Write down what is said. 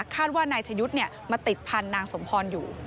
คาดว่านายชะยุทธ์มาติดพันธุ์นางสมพรอยู่